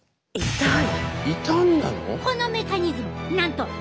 痛い！